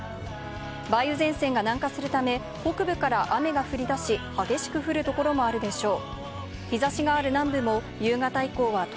梅雨前線が南下するため、北部から雨が降り出し、激しく降るところもあるでしょう。